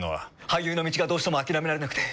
俳優の道がどうしても諦められなくて。